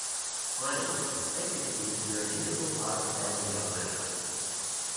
Finally, safety procedures are an integral part of sailing yacht management.